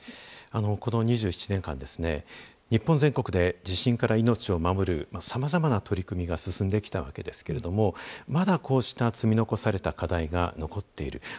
この２７年間日本全国で地震から命を守るさまざまな取り組みが進んできたわけですけれどもまだこうした積み残された課題が残っている。